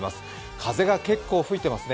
風が結構吹いていますね。